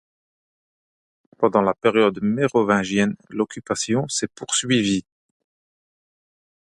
Pendant la période mérovingienne, l'occupation s'est poursuivie.